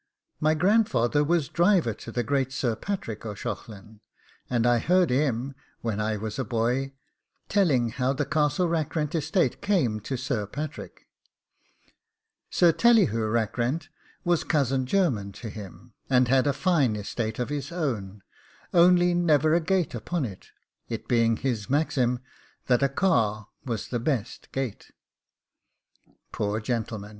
My grandfather was driver to the great Sir Patrick O'Shaughlin, and I heard him, when I was a boy, telling how the Castle Rackrent estate came to Sir Patrick; Sir Tallyhoo Rackrent was cousin german to him, and had a fine estate of his own, only never a gate upon it, it being his maxim that a car was the best gate. Poor gentleman!